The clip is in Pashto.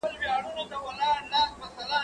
کېدای سي مرسته ناکامه وي؟!